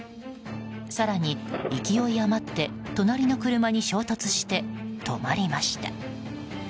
更に、勢い余って隣の車に衝突して止まりました。